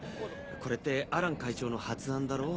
これってアラン会長の発案だろ？